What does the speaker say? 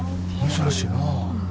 珍しいな。